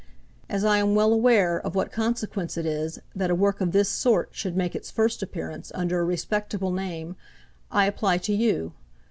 As I am well aware of what consequence it is that a work of this sort shd make its first appearance under a respectable name, I apply to you.